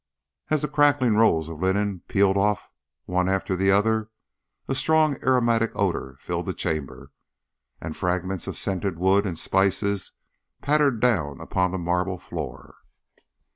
As the crackling rolls of linen peeled off one after the other, a strong aromatic odour filled the chamber, and fragments of scented wood and of spices pattered down upon the marble floor.